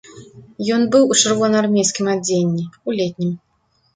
Ён быў у чырвонаармейскім адзенні, у летнім.